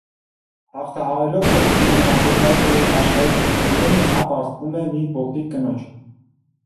Հաղթահարելով ողջ կինոմատոգրաֆիայի աշխարհի ճնշումները, նա պարտվում է մի փոքրիկ կնոջ։